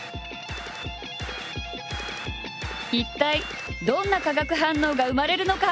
一体どんな化学反応が生まれるのか？